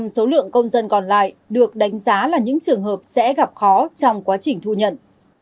một mươi số lượng công dân còn lại được đánh giá là những trường hợp sẽ gặp khó trong quá trình thu nhận